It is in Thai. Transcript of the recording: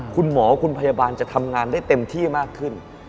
คุณหมอคุณพยาบาลจะทำงานได้เต็มที่มากขึ้น